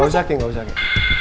gak usah ki gak usah ki